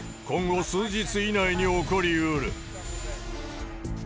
今後数日以内に起こりうる。